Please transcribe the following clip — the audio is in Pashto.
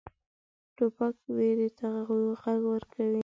توپک ویرې ته غږ ورکوي.